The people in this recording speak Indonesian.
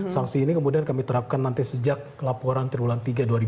sanksi ini kemudian kami terapkan nanti sejak laporan triwulan tiga dua ribu dua puluh